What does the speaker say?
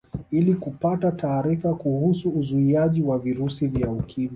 Ili kupata taarifa kuhusu uzuiaji wa virusi vya Ukimwi